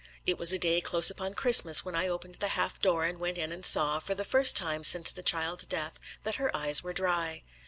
It was a day close upon Christmas when I opened the half door and went in and saw, for the first time since the child's death, that her eyes were dry.